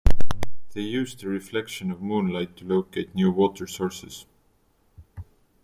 They use the reflection of moonlight to locate new water sources.